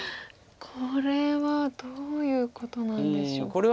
これはどういうことなんでしょう。